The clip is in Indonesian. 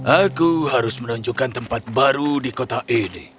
aku harus menunjukkan tempat baru di kota ini